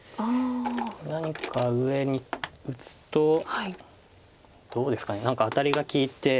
何か上に打つとどうですか何かアタリが利いて。